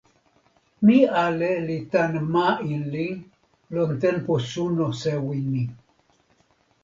mi ale li tan ma Inli lon tenpo suno sewi ni.